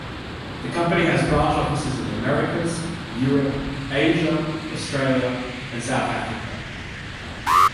The company has branch offices in the Americas, Europe, Asia, Australia, and South Africa.